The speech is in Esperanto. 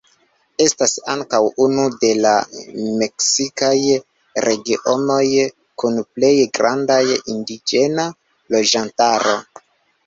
Estas ankaŭ unu de la meksikaj regionoj kun plej granda indiĝena loĝantaro.